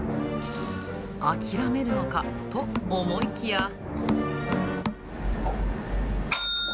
諦めるのかと思いきや。